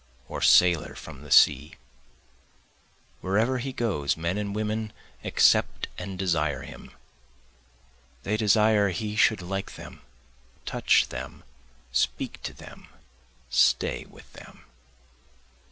or sailor from the sea? Wherever he goes men and women accept and desire him, They desire he should like them, touch them, speak to them, stay with them.